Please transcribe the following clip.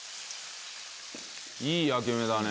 いい焼き目だね。